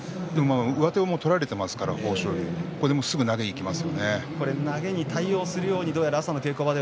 上手が取られていますから豊昇龍すぐに投げにいきますよね。